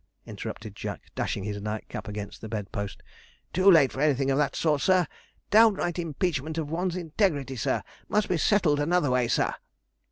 interrupted Jack, dashing his nightcap against the bedpost, 'too late for anything of that sort, sir _down_right impeachment of one's integrity, sir must be settled another way, sir.'